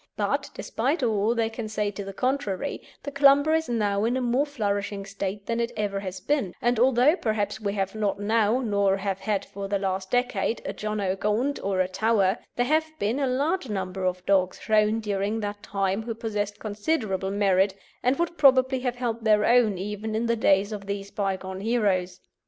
But, despite all they can say to the contrary, the Clumber is now in a more flourishing state than it ever has been; and although perhaps we have not now, nor have had for the last decade, a John o' Gaunt or a Tower, there have been a large number of dogs shown during that time who possessed considerable merit and would probably have held their own even in the days of these bygone heroes.